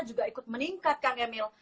juga ikut meningkat kang emil